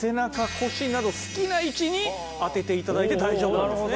腰など好きな位置に当てて頂いて大丈夫なんですね。